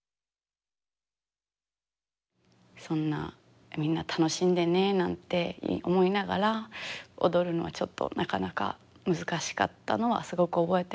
そんなみんな楽しんでねなんて思いながら踊るのはちょっとなかなか難しかったのはすごく覚えてるので。